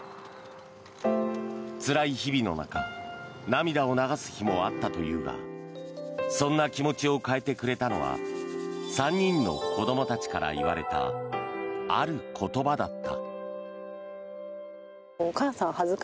つらい日々の中涙を流す日もあったというがそんな気持ちを変えてくれたのは３人の子どもたちから言われたある言葉だった。